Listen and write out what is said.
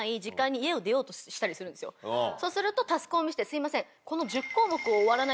そうするとタスクを見せて「すいません」。